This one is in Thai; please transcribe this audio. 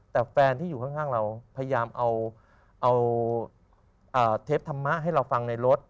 แต่แฟนที่อยู่ข้างเราพยายามเอาเทปธรรมะให้เราฟังในรถ